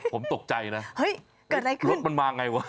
ผมตกใจนะเฮ้ยเกิดอะไรขึ้นรถมันมาไงวะ